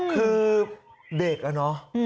คือเด็กไม่น้อย